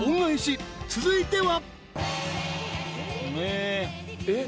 ［続いては］